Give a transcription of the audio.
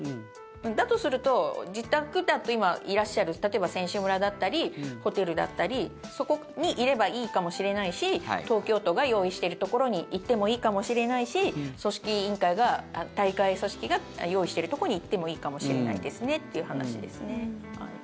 だとすると、自宅だと今、いらっしゃる例えば選手村だったりホテルだったりそこにいればいいかもしれないし東京都が用意しているところに行ってもいいかもしれないし大会組織が用意しているところに行ってもいいかもしれないですねって話ですね。